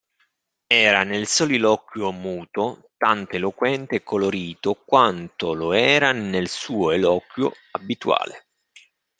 Era nel soliloquio muto, tanto eloquente e colorito, quanto lo era nel suo eloquio abituale.